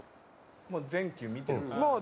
「もう全球見てるから」